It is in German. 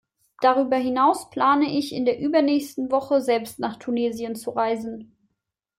Darüber hinaus plane ich, in der übernächsten Woche selbst nach Tunesien zu reisen.